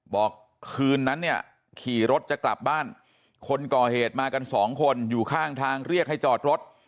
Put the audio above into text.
บอกคืนนั้นเนี่ยขี่รถจะกลับบ้านคนก่อเหตุมากันสองคนอยู่ข้างทางเรียกให้จอดรถ